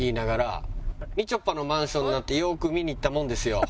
みちょぱのマンションなんてよく見に行ったもんですよ。